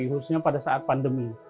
khususnya pada saat pandemi